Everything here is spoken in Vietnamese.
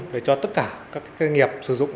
để cho tất cả các doanh nghiệp sử dụng